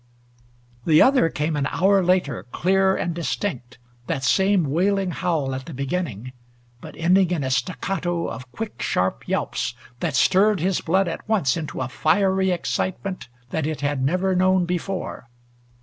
The other came an hour later, clear and distinct, that same wailing howl at the beginning but ending in a staccato of quick sharp yelps that stirred his blood at once into a fiery excitement that it had never known before.